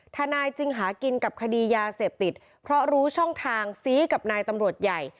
ทนายจึงหากินกับคดียาเสพติดเพราะรู้ช่องทางซี้กับนายตำรวจใหญ่